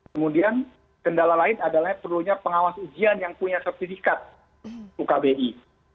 kemudian kendala lain adalah perlunya pengawas ujian yang punya sertifikat ukbi